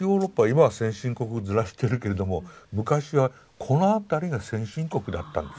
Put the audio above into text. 今は先進国面してるけれども昔はこの辺りが先進国だったんです。